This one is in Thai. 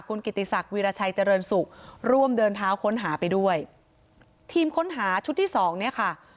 คุณกิติศักดิราชัยเจริญสุขร่วมเดินเท้าค้นหาไปด้วยทีมค้นหาชุดที่สองเนี่ยค่ะ